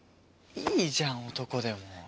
いいじゃん男でも。